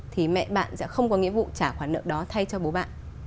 thì mẹ bạn sẽ không có nghĩa vụ trả khoản nợ đó thay cho bố bạn